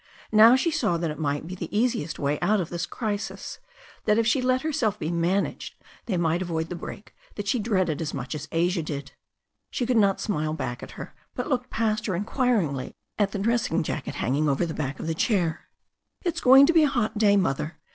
Now she saw that it might be the easiest way out of this crisis, that if she let herself be managed they might avoid the break that she dreaded as much as Asia did. She could not smile back at her, but she looked past her inquiringly at her dressing jacket hang ing over the back of the chair. "It's going to be a hot day. Mother.